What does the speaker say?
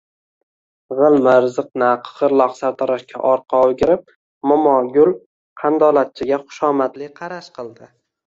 G‘ilmir ziqna qiqirloq sartaroshga orqa o‘girib, Momogul qandolatchiga xushomadli qarash qildi: